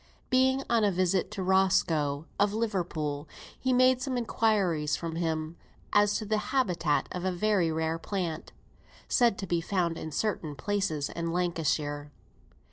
Sir J. E. Smith, being on a visit to Roscoe, of Liverpool, made some inquiries from him as to the habitat of a very rare plant, said to be found in certain places in Lancashire.